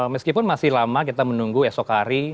meskipun masih lama kita menunggu esok hari